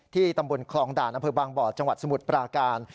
ที่ตำบลคลองด่านอบจังหวัดสมุทรปราการ